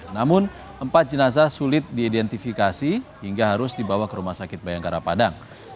namun empat jenazah sulit diidentifikasi hingga harus dibawa ke rumah sakit bayangkara padang